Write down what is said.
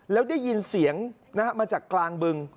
แล้วได้ยินเสียงมาจากกลางบึง